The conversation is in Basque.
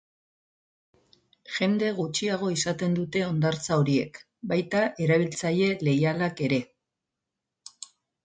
Jende gutxiago izaten dute hondartza horiek, baita erabiltzaile leialak ere.